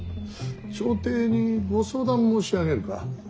朝廷にご相談申し上げるか。